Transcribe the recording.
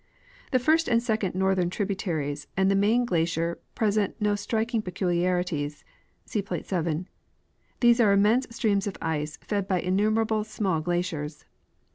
The first and second northern tributaries and the main glacier present no striking peculiarities (see plate 7). These are immense streams of ice, fed by innumerable small glaciers.